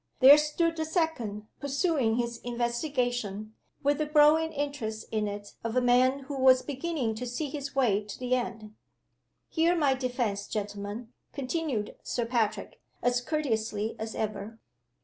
There stood the second, pursuing his investigation with the growing interest in it of a man who was beginning to see his way to the end. "Hear my defense, gentlemen," continued Sir Patrick, as courteously as ever.